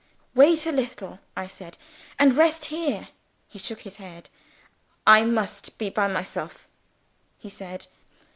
"Wait a little," I said, "and rest here." He shook his head. "I must be by myself," he said.